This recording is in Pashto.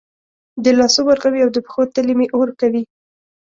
د لاسو ورغوي او د پښو تلې مې اور کوي